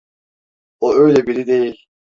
O öyle biri değil.